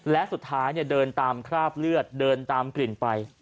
และสุดท้ายเดินตามคราบเลือดเดินตามกลิ่นไป